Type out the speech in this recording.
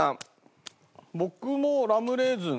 僕もラムレーズン。